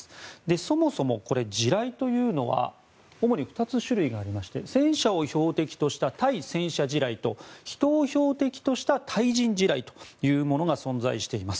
そもそも地雷というのは主に２つ種類がありまして戦車を標的とした対戦車地雷と人を標的とした対人地雷というものが存在しています。